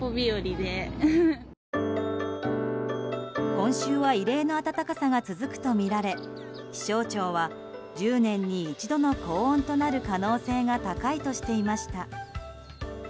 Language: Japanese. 今週は異例の暖かさが続くとみられ気象庁は１０年に一度の高温となる可能性が高いとしていました。